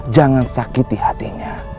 jangan sakiti hatinya